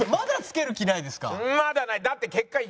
まだない。